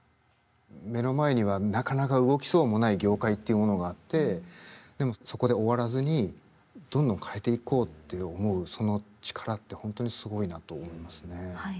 目の前にはなかなか動きそうもない業界っていうものがあってでもそこで終わらずにどんどん変えていこうって思うその力って本当にすごいなと思いますね。